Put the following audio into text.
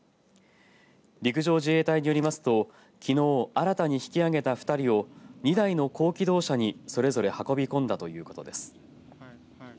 陸上自衛隊によりますときのう新たに引き上げた２人を２台の高機動車にそれぞれ運び込んだということです。